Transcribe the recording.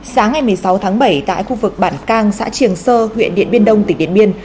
sáng ngày một mươi sáu tháng bảy tại khu vực bản cang xã triềng sơ huyện điện biên đông tỉnh điện biên